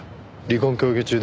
離婚協議中？